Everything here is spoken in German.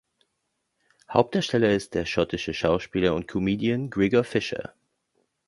Hauptdarsteller ist der schottische Schauspieler und Comedian Gregor Fisher.